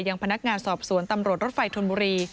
ยังพนักงานสอบสวนตำรวจรถไฟธนบุรี